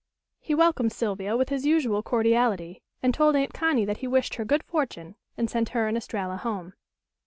He welcomed Sylvia with his usual cordiality, and told Aunt Connie that he wished her good fortune, and sent her and Estralla home.